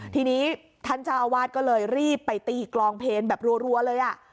ทีนี้ท่านเจ้าอาวาสก็เลยรีบไปตีกลองเพลนแบบรัวเลยอ่ะ